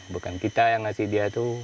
bukan kita yang ngasih dia tuh